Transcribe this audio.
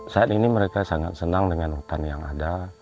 saat ini mereka sangat senang dengan hutan yang ada